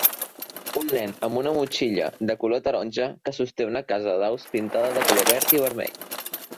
Un nen amb una motxilla de color taronja que sosté una casa d'aus pintada de colors verd i vermell.